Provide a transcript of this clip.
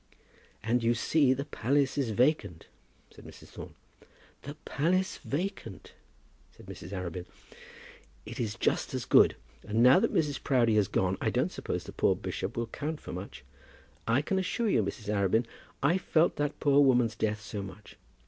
"And you see the palace is vacant," said Mrs. Thorne. "The palace vacant!" said Mrs. Arabin. "It is just as good. Now that Mrs. Proudie has gone I don't suppose the poor bishop will count for much. I can assure you, Mrs. Arabin, I felt that poor woman's death so much!